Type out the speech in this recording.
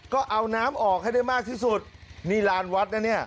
ก็เอาน้ำออกให้ได้มากที่สุดนี่ลานวัดนะเนี่ย